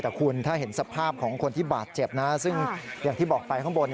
แต่คุณถ้าเห็นสภาพของคนที่บาดเจ็บนะซึ่งอย่างที่บอกไปข้างบน